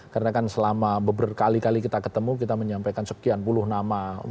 karena kan selama beberkali kali kita ketemu kita menyampaikan sekian puluh nama